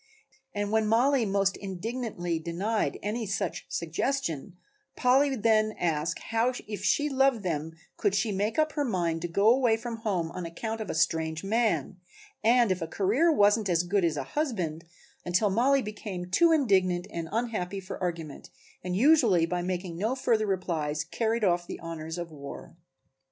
And when Mollie most indignantly denied any such suggestion, Polly would then ask how if she loved them could she make up her mind to go away from home on account of a strange man, and if a career wasn't as good as a husband, until Mollie became too indignant and unhappy for argument and usually by making no further replies carried off the honors of war.